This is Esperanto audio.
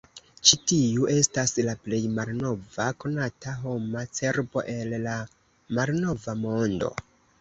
Ĉi tiu estas la plej malnova konata homa cerbo el la Malnova Mondo.